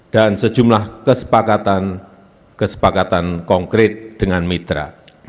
dan sejumlah kesepakatan kesepakatan konkret dengan mitra